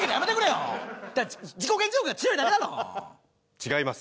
違います。